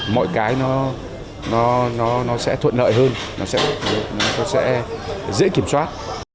mọi cái nó sẽ thuận lợi hơn nó sẽ dễ kiểm soát